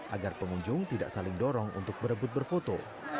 agar pengunjung tidak saling dorong untuk berebut berfoto